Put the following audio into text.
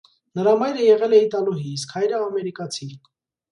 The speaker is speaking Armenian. Նրա մայրը եղել է իտալուհի, իսկ հայրը՝ ամերիկացի։